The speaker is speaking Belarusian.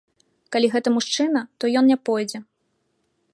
Калі гэта мужчына, то ён не пойдзе.